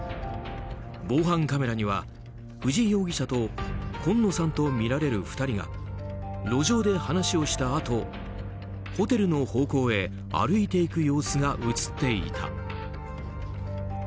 防犯カメラには、藤井容疑者と今野さんとみられる２人が路上で話をしたあとホテルの方向へ歩いていく様子が映っていた。